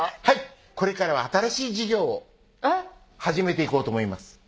はいこれからは新しい事業を始めていこうと思います